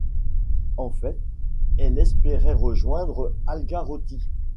En fait, elle espérait rejoindre Algarotti.